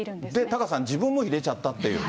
タカさん、自分も入れちゃったと。